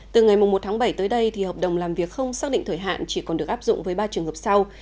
từ ngày một tháng bảy tới đây thì hợp đồng làm việc không xác định thời hạn chỉ còn được áp dụng với ba trường hợp sau